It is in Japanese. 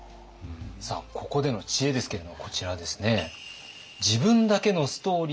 さあここでの知恵ですけれどもこちらですね。